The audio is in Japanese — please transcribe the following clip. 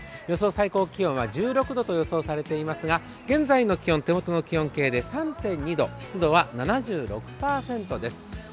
予想最高気温は１６度と予想されておりますが現在の気温、手元の気温計で３．２度湿度は７６％です。